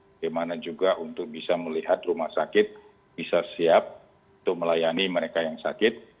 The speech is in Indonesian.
bagaimana juga untuk bisa melihat rumah sakit bisa siap untuk melayani mereka yang sakit